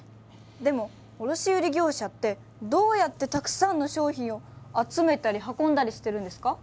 でも卸売業者ってどうやってたくさんの商品を集めたり運んだりしてるんですか？